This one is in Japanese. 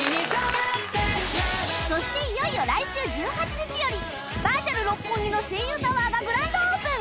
そしていよいよ来週１８日よりバーチャル六本木の声優タワーがグランドオープン